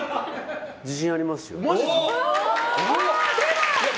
自信ありますよ。